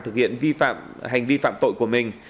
thực hiện hành vi phạm tội của mình